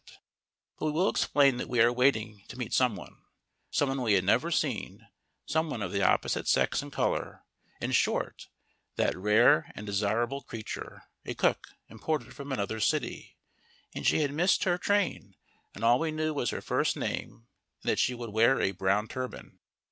but we will explain that we were waiting to meet someone, someone we had never seen, someone of the opposite sex and colour, in short, that rare and desirable creature a cook, imported from another city, and she had missed her train, and all we knew was her first name and that she would wear a "brown turban."